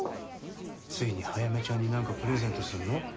ついに早梅ちゃんに何かプレゼントすんの？